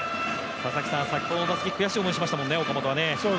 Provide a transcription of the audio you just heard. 先ほどの打席悔しい思いしましたからね、岡本ね